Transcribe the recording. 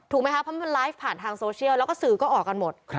ไหมคะเพราะมันไลฟ์ผ่านทางโซเชียลแล้วก็สื่อก็ออกกันหมด